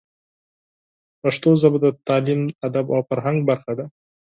پښتو ژبه د تعلیم، ادب او فرهنګ برخه ده.